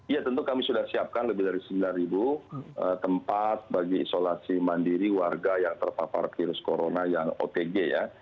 ya tentu kami sudah siapkan lebih dari sembilan tempat bagi isolasi mandiri warga yang terpapar virus corona yang otg ya